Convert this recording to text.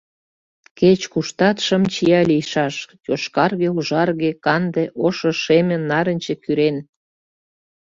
Кеч-куштат шым чия лийшаш: йошкарге, ужарге, канде, ошо, шеме, нарынче, кӱрен.